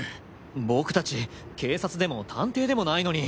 僕達警察でも探偵でもないのに。